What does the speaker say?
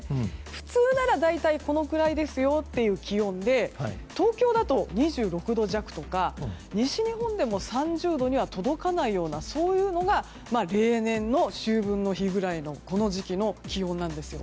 普通なら大体このくらいですよという気温で東京だと２６度弱とか西日本でも３０度には届かないような、そういうのが例年の秋分の日くらいの時期の気温なんです。